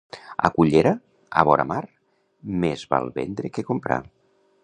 A Cullera, a vora mar, més val vendre que comprar.